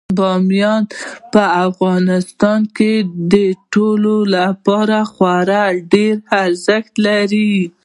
بامیان په افغانستان کې د ټولو لپاره خورا ډېر اهمیت لري.